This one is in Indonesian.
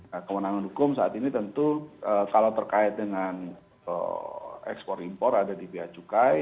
nah kewenangan hukum saat ini tentu kalau terkait dengan ekspor impor ada di bea cukai